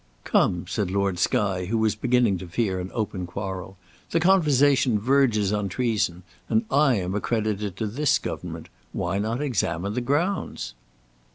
"Come," said Lord Skye, who was beginning to fear an open quarrel; "the conversation verges on treason, and I am accredited to this government. Why not examine the grounds?"